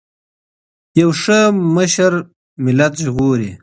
یو ښه مشر ملت ژغوري.